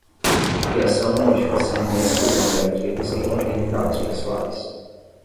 Criação, modificação e exclusão de arquivos que contenham dados pessoais.